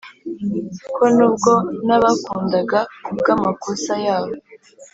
ko nubwo nabakundaga kubwamakosa yabo